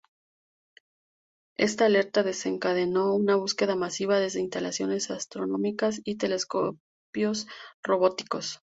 Esta alerta desencadenó una búsqueda masiva desde instalaciones astronómicas y telescopios robóticos.